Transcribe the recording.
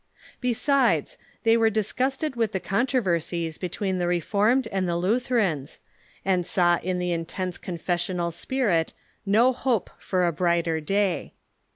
Be sides, they were disgusted with the controversies between the Reformed and the Lutherans, and saw in the intense confes sional spirit no hope for a brighter day.